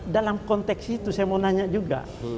dalam konteks itu saya mau nanya juga